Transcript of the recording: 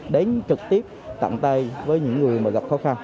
đến trực tiếp tặng tay với những người mà gặp khó khăn